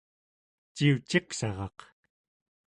ciuciqsaraq